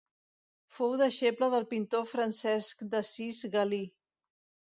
Fou deixeble del pintor Francesc d'Assís Galí.